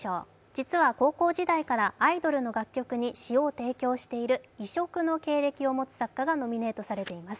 実は高校時代からアイドルの楽曲に詩を提供している異色の経歴を持つ作家がノミネートされています。